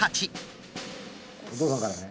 お父さんからね。